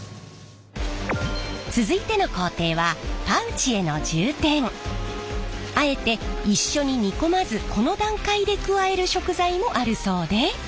続いての工程はあえて一緒に煮込まずこの段階で加える食材もあるそうで。